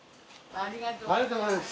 ありがとうございます。